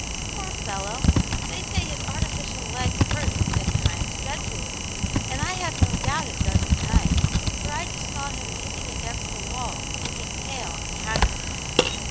"Poor fellow ! they say his artificial leg hurts, at times, dreadfully, and I have no doubt it does to night, for I just saw him leaning against the wall, looking pale and haggard."